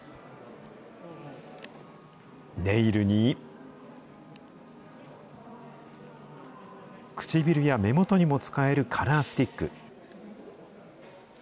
ネイルに、唇や目元にも使えるカラースティック。